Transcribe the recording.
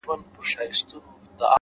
د اوښکو ټول څاڅکي دي ټول راټول کړه!!